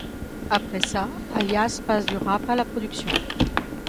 Après ça, Alias passe du rap à la production.